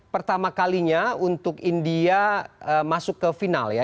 pertama kalinya untuk india masuk ke final ya